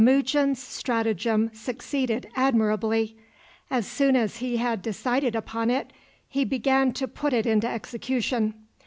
Temujin's stratagem succeeded admirably. As soon as he had decided upon it he began to put it into execution.